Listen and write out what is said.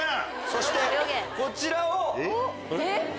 そしてこちらを。